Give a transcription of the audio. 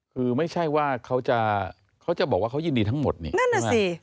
คือไม่ใช่ว่าเขาจะบอกว่าเขายินดีทั้งหมดเนี่ย